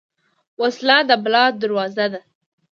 وسله د بلا دروازه ده